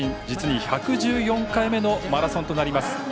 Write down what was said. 実に１１４回目のマラソンとなります。